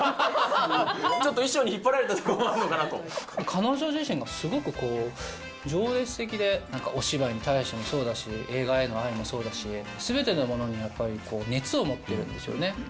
ちょっと衣装に引っ張られた彼女自身がすごく情熱的で、お芝居に対してもそうだし、映画への愛もそうだし、すべてのものにやっぱり熱を持ってるんですよね。